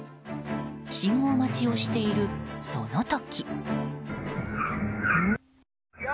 信号待ちをしているその時。